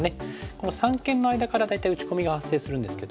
この三間の間から大体打ち込みが発生するんですけども。